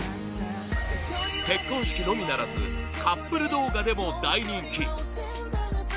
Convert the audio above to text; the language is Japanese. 結婚式のみならずカップル動画でも大人気！